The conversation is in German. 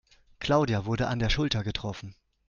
Claudia wurde an der Schulter getroffen.